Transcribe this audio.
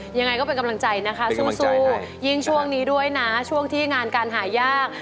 ยังไงก็เป็นกำลังใจนะคะสู้ยิ่งช่วงนี้ด้วยนะช่วงที่งานการหายาก